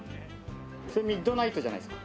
それ「ミッドナイト」じゃないですか？